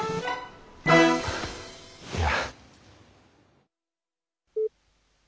いや。